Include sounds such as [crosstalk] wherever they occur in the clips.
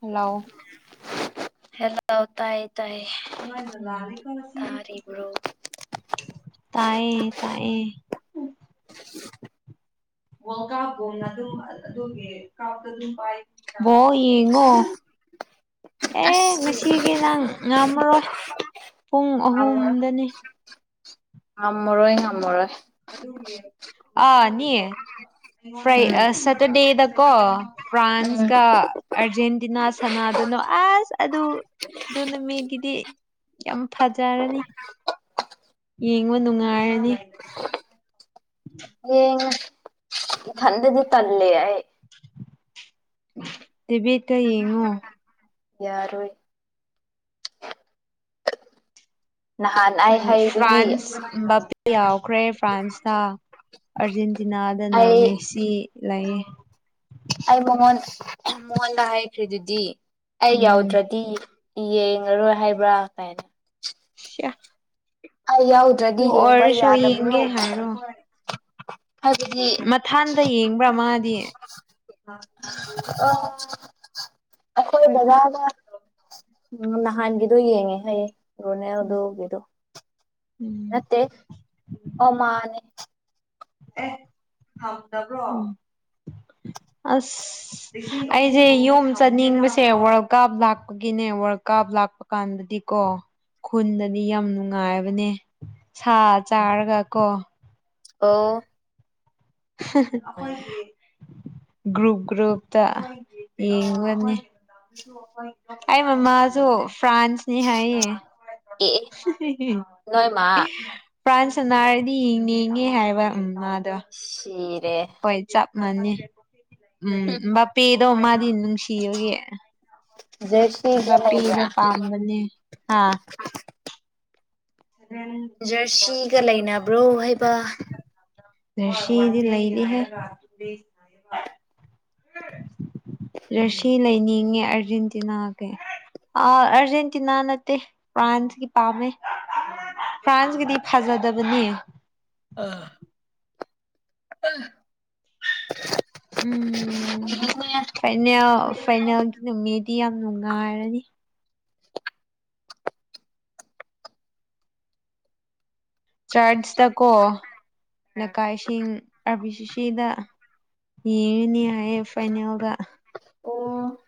ꯍꯜꯂꯑꯣ ꯍꯦꯜꯥꯎ ꯇꯥꯔꯤꯕ꯭ꯔꯣ ꯇꯌꯦꯦ ꯇꯌꯦ ꯑꯣ ꯌꯦꯡꯉꯣ ꯑꯦ ꯉꯁꯤꯒꯤ ꯅꯪ ꯉꯝꯃꯔꯣꯏ ꯄꯨꯡ ꯑꯍꯨꯝꯗꯅꯤ ꯉꯝꯃꯔꯣꯏ ꯉꯝꯃꯔꯣꯏ ꯑꯗꯨ ꯎ ꯑ ꯅꯌꯦꯦ ꯐ꯭ꯔꯥꯏ ꯎꯝ ꯁꯦꯇꯔꯗꯦꯗ ꯀ ꯎꯝ ꯐ꯭ꯔꯥꯟꯁꯒ ꯑꯥꯔꯖꯦꯟꯇꯤꯅꯥ ꯁꯅꯥꯗꯨꯅꯣ ꯑꯁ ꯑꯗꯨꯗꯨꯅ ꯃꯤꯒꯤꯗꯤ ꯌꯥꯝ ꯐꯖꯔꯅꯤ ꯌꯦꯡꯕ ꯅꯨꯡꯉꯥꯏꯔꯅꯤ ꯍꯌꯦꯡ ꯏꯊꯟꯗꯗꯤ ꯇꯂꯦ ꯑꯩ ꯇꯤꯕꯤꯇ ꯌꯦꯡꯉꯣ ꯌꯥꯔꯣꯏ ꯅꯍꯥꯟ ꯑꯩ ꯍꯩꯗꯨꯗꯤ ꯐ꯭ꯔꯥꯟꯁ ꯕꯥꯞꯄꯦ ꯌꯥꯎꯈ꯭ꯔꯦ ꯐ꯭ꯔꯥꯟꯁꯇ ꯑꯔꯖꯦꯟꯇ ꯇꯤꯅꯥꯗꯅ ꯑꯩ ꯃꯦꯁꯤ ꯂꯩꯌ‌ꯦ ꯑꯩ ꯃꯉꯣꯟ ꯃꯉꯣꯟꯗ ꯍꯥꯏꯈ꯭ꯔꯤ ꯑꯗꯨꯗꯤ ꯑꯩ ꯎꯝ ꯌꯥꯎꯗ꯭ꯔꯗꯤ ꯌꯦꯡꯉꯔꯣꯏ ꯍꯥꯏꯕ꯭ꯔꯥ ꯀꯥꯏꯅ ꯁꯌꯥ [unintelligible] [inaudible] ꯑꯩ ꯌꯥꯎꯗ꯭ꯔꯗꯤ ꯌꯦꯡꯕ ꯌꯥꯗꯕ꯭ꯔꯣ ꯌꯦꯡꯒꯦ ꯍꯥꯏꯔꯣ ꯍꯥꯏꯕꯗꯤ ꯃꯊꯥꯟꯗ ꯌꯦꯡꯕ꯭ꯔꯥ ꯃꯥꯗꯤ ꯑ ꯑꯩꯈꯣꯏ ꯕꯖꯥꯗ [unintelligible] ꯎꯝ ꯅꯍꯥꯟꯒꯤꯗꯣ ꯌꯦꯡꯉꯦ ꯑꯩ ꯔꯣꯅꯦ ꯌꯥꯎꯗꯒꯗꯣ ꯎꯝ ꯅꯠꯇꯦ [unintelligible] ꯑꯣ ꯃꯥꯅꯦ ꯑꯦ ꯊꯗ ꯔꯣꯡ [unintelligible] ꯑꯁ ꯑꯩꯁꯦ ꯌꯣꯝ ꯆꯠꯅꯤꯡꯕꯁꯦ ꯋꯥꯔꯜ ꯀꯞ ꯂꯥꯛꯄꯒꯤꯅꯦ ꯋꯥꯔꯜ ꯀꯞ ꯂꯥꯛꯄ ꯀꯥꯟꯗꯗꯤꯀꯣ ꯈꯨꯟꯗꯗꯤ ꯌꯥꯝ ꯅꯨꯡꯉꯥꯏꯕꯅꯦ ꯁꯥ ꯆꯥꯔꯒ ꯀꯣ ꯑꫭ ꯍ [unintelligible] ꯒ꯭ꯔꯨꯞ ꯒ꯭ꯔꯨꯞꯇ ꯌꯦꯡꯒꯅꯤ ꯑꯩ ꯃꯃꯥꯁꯨ ꯐ꯭ꯔꯥꯟꯁꯅꯤ ꯍꯥꯏꯌꯦ ꯅꯣꯏ ꯃꯥ ꯐ꯭ꯔꯥꯟꯁ ꯁꯅꯥꯔꯗꯤ ꯌꯦꯡꯅꯤꯡꯉꯦ ꯍꯥꯏꯕ ꯃꯥꯃꯥꯗꫭ ꯃꯥꯗꯣ [inaudible] ꯆꯔꯦ [unintelligible] ꯃꯅꯤ ꯎꯝꯝꯕ ꯄꯦ [unintelligible] ꯗꯣ ꯃꯥꯗꯤ ꯅꯨꯡꯁꯤꯕꯒꯤ ꯖꯔꯁꯤꯒ ꯂꯩꯕ꯭ꯔꯥ ꯕꯄ‌ꯦꯗꫭ ꯄꯥꯃꯕꯅ‌ꯦ ꯍꯥꯥ ꯖꯔꯁꯤꯒ ꯂꯩꯅꯕ꯭ꯔꯣ ꯍꯥꯏꯕ ꯖꯔꯁꯤꯗꯤ ꯂꯩꯅꯤ ꯍ‌ꯦ ꯖꯔꯁꯤ ꯂꯩꯅꯤꯡꯉꯦ ꯑꯥꯔꯖꯦꯟꯇꯤꯅꯥꯒꯤ ꯑꯥ ꯑꯥꯔꯖꯦꯟꯇꯤꯅꯥ ꯅꯠꯇꯦ ꯐ꯭ꯔꯥꯟꯁꯀꯤ ꯄꯥꯝꯃꯦ ꯐ꯭ꯔꯥꯟꯁꯀꯤꯗꯤ ꯐꯖꯗꯕꯅꯤ ꯑꯥ ꯑ ꯎꯝ ꯐꯥꯏꯅꯦꯜ ꯐꯥꯏꯅꯦꯜꯒꯤ ꯅꯨꯃꯤꯠꯗꯤ ꯌꯥꯝ ꯅꯨꯡꯉꯥꯏꯔꯅꯤ ꯆꯔꯆꯇꯀꯣ ꯂꯩꯀꯥꯏꯁꯤꯡ ꯑꯥꯔꯕꯤ ꯁꯤ ꯁꯤꯗ ꯌꯦꯅꯤꯌꯦ ꯐꯥꯏꯅꯦꯜꯗ ꯑꯣ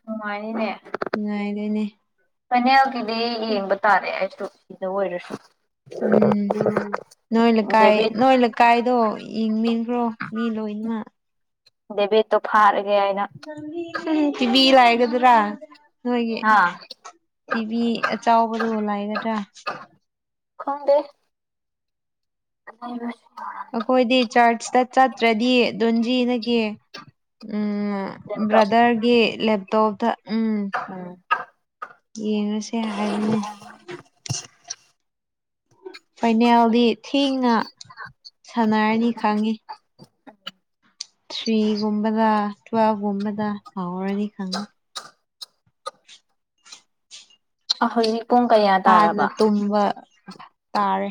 ꯅꯨꯡꯉꯥꯏꯔꯦꯅꯦ ꯅꯨꯡꯉꯥꯏꯔꯦꯅꯦ ꯐꯥꯏꯅꯦꯜ ꯗꯤ ꯌꯦꯡ ꯇꯥꯔꯦ ꯁꯤꯗ ꯑꯣꯏꯔꯁꯨ ꯎꯝ ꯎꯝ ꯅꯣꯏ ꯂꯩꯀꯥꯏ ꯗꯦꯕꯤꯠ ꯅꯣꯏ ꯂꯩꯀꯥꯏꯗꯣ ꯌꯦꯡꯃꯤꯟꯈ꯭ꯔꯣ ꯃꯤ ꯂꯣꯏꯅ ꯗꯦꯕꯤꯗ ꯇꯣ ꯐꯥꯔꯦ ꯇꯤꯚꯤ ꯂꯥꯏꯒꯗ꯭ꯔꯥ ꯅꯣꯏꯒꯤ ꯍꯥ ꯇꯤꯚꯤ ꯑꯆꯥꯎꯕꯗꯨ ꯂꯥꯏꯒꯗ꯭ꯔꯥ ꯈꯪꯗꯦ ꯑ ꯑꯩꯈꯣꯏꯗꯤ ꯆꯔꯆꯇ ꯆꯠꯇ꯭ꯔꯗꯤ ꯗꯣꯟꯖꯤꯗꯒꯤ ꯂꯦꯞꯇꯣꯞ ꯕ꯭ꯔꯗꯔꯒꯤ ꯂꯦꯞ ꯇꯣꯞꯗ ꯎꯝ ꯎꯝ ꯌꯦꯡꯉꯁꯦ ꯍꯥꯏꯕꯅꯦ ꯐꯥꯏꯅꯦꯜꯗꯤ ꯊꯦꯡꯅ ꯁꯥꯟꯅꯔꯅꯤ ꯈꯪꯉꯤ ꯊ꯭ꯔꯤꯒꯨꯝꯕꯗ ꯇ꯭ꯋꯦꯜꯕꯒꯨꯝꯕꯗ ꯃꯅꯤ ꯈꯪ ꯑꯍꯣꯏ ꯍꯥꯟꯅ ꯇꯨꯝꯕ ꯇꯥꯔꯦ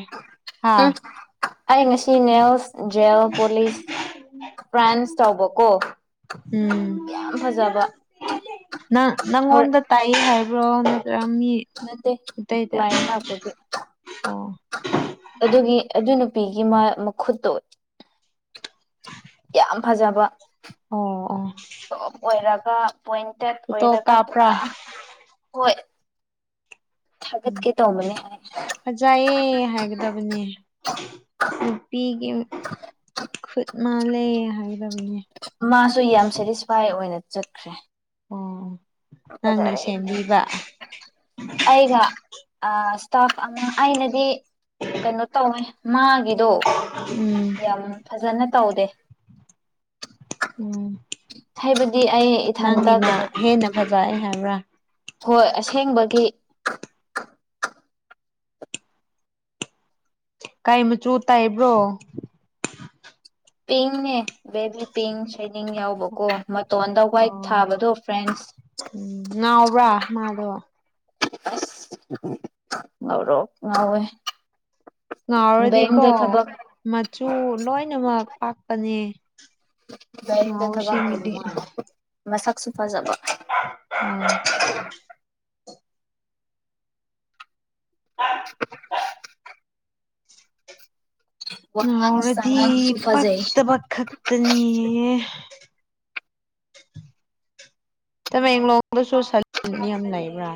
ꯍꯥ ꯎꯝ ꯑꯩ ꯉꯁꯤ ꯅꯦꯜꯁ ꯖꯦꯜ ꯄꯣꯂꯤꯁ ꯄ꯭ꯔꯥꯟꯁ ꯇꯧꯕ ꯀꯣ ꯎꯝ ꯌꯥꯝ ꯐꯖꯕ ꯍꯣ ꯔꯣꯝ ꯆꯝꯃꯤ ꯑꯇꯩꯗ ꯀ꯭ꯂꯥꯏꯟ ꯂꯥꯛꯄꯒꯤ ꯑꯣ ꯑꯗꯨꯒꯤ ꯑꯗꯨꯅ ꯅꯨꯄꯤꯒꯤ ꯃꯈꯨꯠꯇꯣ ꯌꯥꯝ ꯐꯖꯕ ꯑꯣ ꯑ ꯀꯥ ꯄꯣꯏꯟ ꯇꯦꯠ ꯑꯣꯏꯔꯒ ꯄꯨꯔꯥ ꯍꯣꯏ ꯎꯝ ꯊꯥꯒꯠꯀꯦ ꯇꯧꯕꯅꯦ ꯑꯩ ꯐꯖꯌꯦ ꯍꯥꯏꯒꯗꯕꯅꯦ ꯅꯨꯄꯤꯒꯤ ꯈꯨꯠ ꯃꯥꯂꯦ ꯍꯥꯏ ꯃꯥꯁꯨ ꯌꯥꯝ ꯁꯦꯇꯤꯁꯐꯥꯏ ꯑꯣꯏꯅ ꯆꯠꯈ꯭ꯔꯦ ꯑꯣ ꯅꯪꯅ ꯖꯔꯦ ꯁꯦꯝꯕꯤꯕ ꯑꯩꯒ ꯏꯁꯇꯥꯐ ꯑꯃ ꯑꯩꯅꯗꯤ ꯀꯩꯅꯣ ꯇꯧꯋꯦ ꯃꯥꯒꯤ ꯑꯗꯣ ꯎꯝ ꯌꯥꯝ ꯐꯖꯅ ꯇꯥꯎꯗꯦ ꯎꯝ ꯍꯥꯏꯕꯗꯤ ꯑꯩ ꯏꯊꯟꯇꯗ ꯐꯖꯑ ꯍꯥꯏꯕ꯭ꯔꯥ ꯍꯣꯏ ꯑꯁꯦꯡꯕꯒꯤ ꯀꯥꯏ ꯃꯆꯨ ꯇꯥꯏꯕ꯭ꯔꯣ ꯄꯤꯅꯦꯕꯤ ꯄꯤ ꯍꯩꯅꯤꯡ ꯌꯥꯎꯕꯀꯣ ꯃꯇꯣꯟꯗ ꯋꯥꯏꯠ ꯑꯣ ꯊꯥꯕꯗꯣ ꯐ꯭ꯔꯦꯟꯁ ꯎꯝ ꯉꯥꯎꯕ꯭ꯔꯥ ꯃꯥꯗꯣ ꯉꯧꯔꯣ ꯉꯦ ꯉꯥꯎꯔꯗꯤꯀꯣ ꯃꯆꯨ ꯂꯣꯏꯅꯃꯛ ꯄꯥꯛꯄꯅꯦ ꯗ ꯊꯕ ꯀ ꯉꯥꯎꯁꯤꯡꯒꯤꯗꯤ ꯃꯥ ꯃꯁꯛꯁꯨ ꯐꯖꯕ ꯎꯝ ꯋꯥꯉꯥꯡ ꯉꯥꯎꯔꯗꯤ ꯁꯉꯥꯡꯁꯨ ꯐꯖꯩ ꯄꯛꯇꯕ ꯈꯛꯇꯅꯦ ꯇꯃꯦ ꯏꯗꯁꯨꯣ ꯁꯥ ꯌꯥꯝ ꯂꯩꯕ꯭ꯔꯥ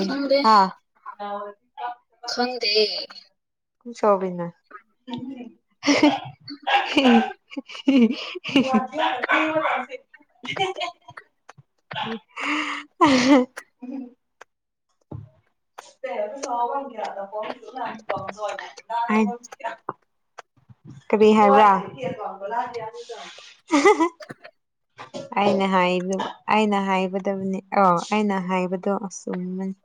ꯈꯪꯗꯦ ꯍꯥ ꯈꯪꯗꯦ ꯍ ꯇꯣꯕꯤꯅ ꯍꯝ [inaudible] ꯇ ꯑꯗꯨ ꯁꯥꯎꯕꯒ ꯑ ꯐ ꯀꯔꯤ ꯍꯥꯏꯕ ꯑꯩꯅ ꯑꯩꯅ ꯍꯥꯏꯕꯗꯕꯅꯤ ꯑ ꯑꯩꯅ ꯍꯥꯏꯕꯗꯣ ꯑꯁꯨꯝꯅꯤ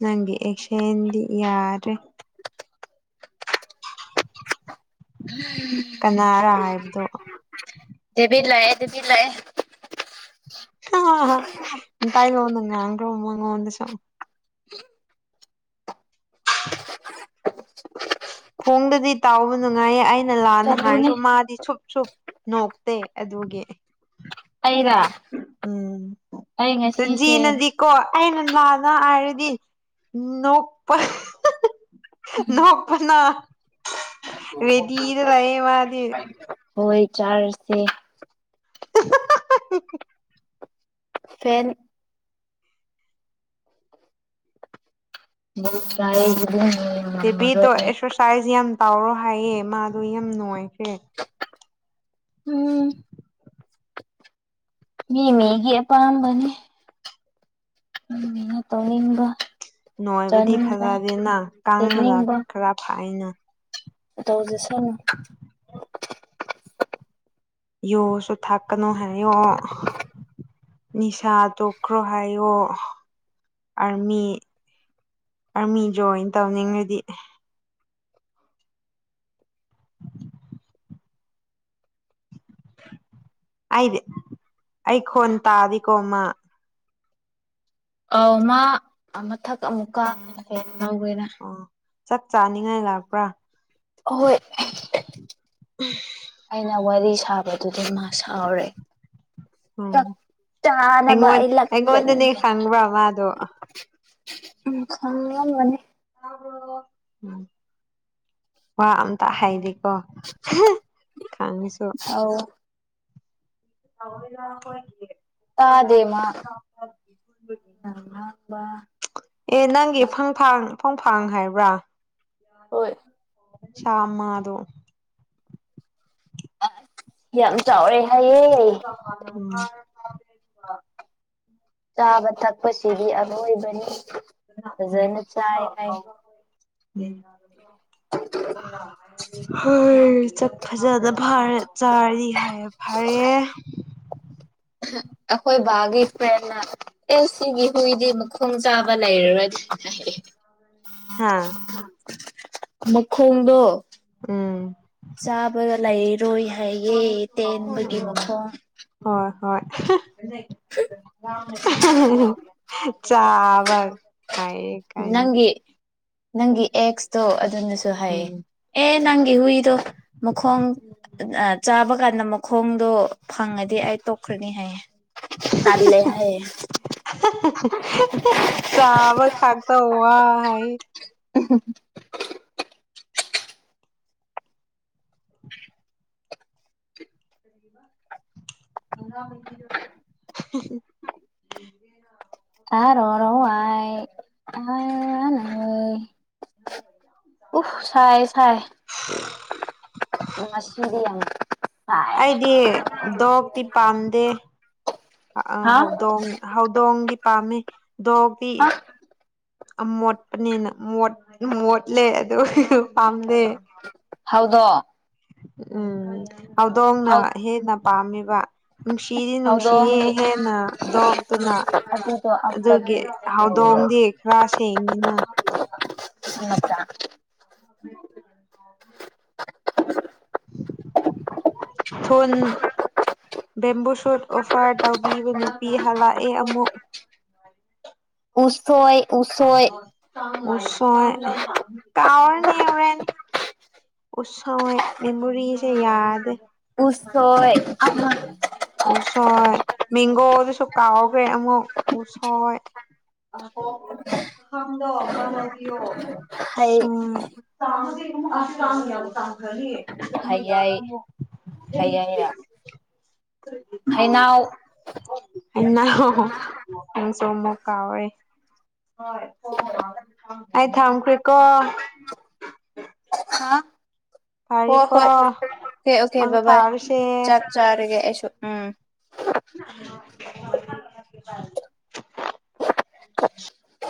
ꯅꯪꯒꯤ ꯑꯦꯛꯁꯦꯟꯗꯤ ꯌꯥꯔꯦ ꯀꯅꯥꯔ ꯍꯥꯏꯕꯗꯣ ꯑꯗꯨꯦꯕꯤ ꯂꯥꯛꯑꯦ ꯑꯗꯨꯕꯤ ꯂꯥꯛꯑꯦ ꯑ ꯇꯥꯏꯒ ꯋꯥꯉ ꯑꯒ꯭ꯔꯣ ꯎꯃꯉ ꯑꯣꯏ ꯆꯣ ꯐꯣꯡꯗꯗꯤ ꯇꯥꯎꯕ ꯅꯨꯡꯉꯥꯏꯌꯦ ꯑꯩꯅ ꯅ ꯂꯥꯟꯅ ꯆꯠꯂꯨꯅꯦ ꯍꯥꯏꯔꯁꯨ ꯃꯥꯗꯤ ꯁ ꯅꯣꯛꯇꯦ ꯑꯗꯨꯒꯤ ꯑꯔ ꯎꯝ ꯇꯟꯖꯤ ꯉꯁꯤꯁꯦ ꯅꯗꯤ ꯀꯣ ꯑꯩꯅ ꯉꯥꯅ ꯍꯥꯏꯔꯗꯤ ꯅꯣꯛꯄ ꯅꯣꯛꯄꯅ ꯔꯦꯗꯤꯗ ꯂꯩꯌꯦ ꯃꯥꯗꯤ ꯍꯣꯏ ꯆꯥꯔꯁꯦ ꯍꯥꯍꯥꯍꯥꯍꯥꯍ ꯍ ꯐꯦꯟ ꯀ ꯗꯦꯕꯤꯗꯣ ꯑꯦꯛꯁꯔꯁꯥꯏꯖ ꯌꯥꯝ ꯇꯥꯎꯔꯣ ꯍꯥꯏꯌꯦ ꯃꯥꯗꯣ ꯌꯥꯝ ꯅꯨꯡꯉꯥꯏꯈ꯭ꯔꯦ ꯎꯝ ꯃꯤ ꯃꯤꯒꯤ ꯑꯄꯥꯝꯕꯅꯤ ꯑꯩꯅ ꯇꯧꯅꯤꯡꯕ ꯅꯣꯏꯕꯨꯗꯤ ꯆꯥꯅꯤꯡꯕ ꯐꯖꯗꯦꯅ ꯀꯥꯡꯕꯅ ꯈꯔ ꯐꯥꯏꯌꯦꯅ ꯑ ꯇ ꯍꯧꯖꯁꯅꯨ ꯌꯣꯁꯨ ꯊꯥꯛꯀꯅꯨ ꯍꯥꯏꯌꯣ ꯅꯤꯁꯥ ꯇꯣꯛꯈ꯭ꯔꯣ ꯍꯥꯏꯌꯣ ꯑꯥꯔꯃꯤ ꯑꯥꯔꯃꯤ ꯖꯣꯏꯟ ꯇꯧꯅꯤꯡꯉꯗꯤ ꯑꯩꯗ ꯑꯩ ꯈꯣꯟ ꯇꯥꯗꯤ ꯀꯣꯃꯥ ꯑꯥꯎ ꯃꯥ ꯃꯊꯛ ꯑꯃꯨꯛꯀꯥꯈ꯭ꯔꯦ ꯍꯒꯦꯅ ꯑꯣ ꯆꯥꯛ ꯆꯥꯅꯤꯡꯉꯥꯏ ꯂꯥꯛꯄ꯭ꯔꯥ ꯑꯣꯏ ꯑꯩꯅ ꯋꯥꯔꯤ ꯁꯥꯕꯗꯨꯗꯤ ꯃꯥ ꯁꯥꯎꯔꯦ ꯎꯝ ꯆꯥꯛ ꯆꯥꯅꯕ ꯑꯩꯉꯣꯟ ꯑꯩ ꯂꯛꯄꯅꯤ ꯑꯩꯉꯣꯟꯗꯅꯦ ꯈꯪꯕ꯭ꯔꯥ ꯃꯥꯗꯣ ꯎ ꯈꯪꯉꯝꯃꯅꯤ ꯑꯝ ꯋꯥ ꯑꯝꯇ ꯍꯥꯏꯗꯤꯀꯣ ꯈꯪꯉꯤꯁꯨ ꯑꯧ ꯆꯥꯎꯣꯏ ꯂꯈꯣꯏꯦ ꯇꯥꯗꯦ ꯃꯥ ꯉꯥꯡꯕ ꯑꯦ ꯅꯪꯒꯤ ꯐꯪ ꯐꯪ ꯃꯐꯪ ꯐꯥꯡ ꯍꯥꯏꯕ꯭ꯔꯥ ꯍꯣꯏ ꯆꯃ ꯑꯗꯣ ꯌꯥꯝ ꯆꯥꯎꯔꯦ ꯑꯌꯦꯌꯦ ꯎꯝ ꯆꯥꯕ ꯊꯛꯄꯁꯤꯗꯤ ꯑꯔꯣꯏꯕꯅꯤ ꯐꯖꯅ ꯆꯥꯏ ꯍꯥꯏ ꯎꯝ ꯍꯣꯏ ꯁꯛ ꯐꯖꯅ ꯐꯥꯔ ꯆꯥꯔꯤ ꯍꯥꯏ ꯌꯥꯏꯐꯔꯦ ꯑꯍ ꯑꯩꯈꯣꯏ ꯕꯥꯒꯤ ꯐ꯭ꯔꯦꯟꯅ ꯑꯦ ꯁꯤꯒꯤ ꯍꯨꯏꯗꯤ ꯃꯈꯣꯡ ꯆꯥ ꯕ ꯂꯩꯔꯔꯣꯏ ꯑꯗꯨꯗꯨꯅ ꯍꯥꯥ ꯃꯈꯣꯡꯗꯣ ꯎꯝ ꯆꯥꯕꯒ ꯂꯩ ꯔꯣꯏ ꯍꯥꯏꯌꯦ ꯇꯦꯟꯕꯒꯤ ꯎꯝ ꯃꯈꯣꯡ ꯍꯣꯏ ꯍꯣꯏ ꯑꯍꯤ ꯑ ꯍꯤ ꯍꯤ ꯍꯤ ꯍꯍ ꯆꯥꯕꯛ ꯍꯥꯏꯌꯦ ꯅꯪꯒꯤ ꯀꯥꯏꯅ ꯅꯪꯒꯤ ꯑꯦꯛꯁꯇꯣ ꯑꯗꯨꯅꯁꯨ ꯍꯥꯏꯌꯦ ꯎꯝ ꯑꯦ ꯅꯪꯒꯤ ꯍꯨꯏꯗꯣ ꯃꯈꯣꯡ ꯑꯥ ꯆꯥꯕ ꯀꯥꯟꯗ ꯃꯈꯣꯡꯗꯣ ꯐꯪꯉꯗꯤ ꯑꯩ ꯇꯣꯛꯈ꯭ꯔꯅꯤ ꯍꯥꯏꯌꯦ ꯍꯍ ꯇꯜꯂꯦ ꯍꯍ ꯍꯥꯏꯌꯦ ꯍꯍ ꯑ ꯍꯥ ꯍꯥ ꯍꯥ ꯍꯍ ꯆꯥꯕ ꯈꯥꯛꯇ ꯋꯥ ꯍꯥꯏꯌꯦ ꯎꯍꯨꯝ ꯍꯨꯝ ꯑ ꯍꯤ ꯍꯤ ꯇꯥꯔꯣꯔꯋꯥꯏ ꯎꯐ ꯁꯥꯏ ꯁꯥꯏ ꯉꯁꯤꯗꯤ ꯌꯥꯝ ꯁꯥꯏ ꯑꯩꯗꯤ ꯗꯣꯛ ꯇꯤ ꯇꯦ ꯑ ꯍꯥ ꯍꯧꯗꯣꯡ ꯍꯧꯗꯣꯡꯗꯤ ꯄꯥꯝꯃꯤ ꯗꯣꯛ ꯇꯤ ꯍꯥ ꯃꯣꯠꯄꯅꯤꯅ ꯃꯣꯠ ꯃꯣꯠꯂꯦ ꯑꯗꯨ ꯍꯤ ꯍꯨ ꯄꯥꯝꯗꯦ ꯍꯧꯗꯣꯡ ꯎꯝ ꯍꯧꯗꯣꯡꯅ ꯍꯧ ꯍꯦꯟꯅ ꯄꯥꯝꯃꯦꯕ ꯅꯨꯡꯁꯤꯗꯤ ꯅꯨꯡꯁꯤꯌꯦ ꯍꯧꯗꯣꯡꯒꯤ ꯍꯦꯟꯅ ꯗꯣꯛꯇꯨꯅ ꯑꯗꯨꯗꯣ ꯑꯝꯇ ꯑꯗꯨꯒꯤ ꯄꯤꯕꯤꯌꯣ ꯍꯧꯗꯣꯡꯗꯤ ꯈꯔ ꯁꯦꯡꯉꯤꯅ ꯃꯆꯥ [unintelligible] ꯊꯨꯟ ꯕꯦꯝꯕꯨ ꯁꯨꯠ ꯑꯣꯐꯔ ꯇꯧꯕꯤꯕ ꯅꯨꯄꯤ ꯍꯜꯂꯛꯑꯦ ꯑꯃꯨꯛ ꯎꯁꯣꯏ ꯑꯣꯁꯣꯏ ꯎꯁ ꯍꯣꯏ ꯀꯥꯎꯑꯦ ꯅꯦ ꯍꯨꯔꯦꯟ ꯎꯁꯣꯏ ꯃꯦꯃꯣꯔꯤꯁꯦ ꯌꯥꯗꯦ ꯎꯁꯣꯏ ꯍꯣꯏ ꯃꯦꯡꯒꯣꯗꯨꯁꯨ ꯀꯥꯎꯈ꯭ꯔꯦ ꯑꯃꯨꯛ ꯎ ꯁꯣꯏ ꯍꯣꯏ ꯍꯩ [unintelligible] [unintelligible] [unintelligible] ꯍꯩꯌꯥꯏ ꯍꯩ ꯍꯩꯔꯥ ꯍꯩꯅꯧ ꯆ ꯃꯨꯛ ꯀꯥꯎꯔꯦ ꯑꯩ ꯊꯝꯈ꯭ꯔꯦꯀꯣ ꯍꯥꯥ ꯍꯣ ꯐꯔꯦꯀꯣ ꯍꯣꯏ ꯑꯣꯀꯦ ꯑꯣꯀꯦ ꯃꯪ ꯕ ꯕꯥꯏ ꯐꯥꯔꯁꯦ ꯆꯥꯛ ꯆꯥꯔꯒꯦ ꯑꯩꯁꯨ ꯎꯝ [inaudible]